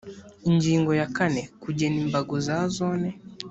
ingingo ya kane kugena imbago za zone